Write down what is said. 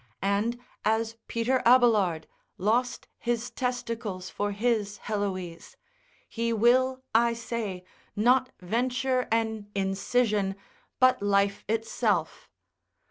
And as Peter Abelard lost his testicles for his Heloise, he will I say not venture an incision, but life itself.